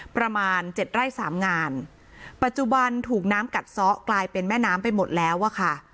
ประมาณเจ็ดไร่สามงานปัจจุบันถูกน้ำกัดซ้อกลายเป็นแม่น้ำไปหมดแล้วอะค่ะ